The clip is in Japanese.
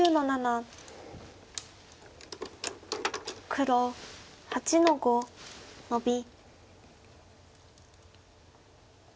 黒８の五ノビ。